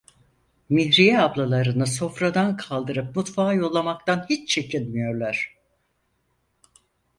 Mihriye ablalarını sofradan kaldırıp mutfağa yollamaktan hiç çekinmiyorlar.